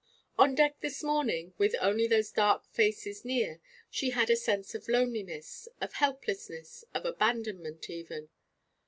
On deck this morning, with only those dark faces near, she had a sense of loneliness, of helplessness, of abandonment even.